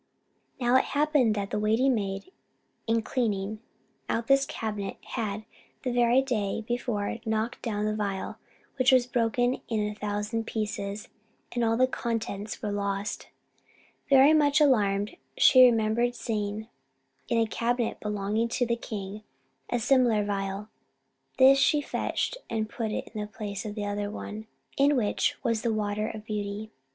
Now it happened that a waiting maid, in cleaning out this cabinet, had, the very day before knocked down the phial, which was broken in a thousand pieces, and all the contents were lost. Very much alarmed, she then remembered seeing, in a cabinet belonging to the king, a similar phial. This she fetched, and put in the place of the other one, in which was the water of beauty.